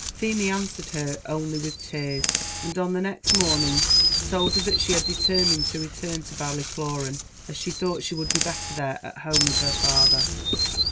Feemy answered her only with tears; and on the next morning told her that she had determined to return to Ballycloran, as she thought she would be better there, at home with her father.